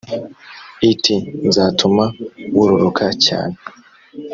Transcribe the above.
it nzatuma wororoka cyane